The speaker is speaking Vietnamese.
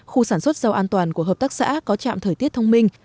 khu sản xuất rau an toàn của hợp tác xã có trạm thời tiết thông minh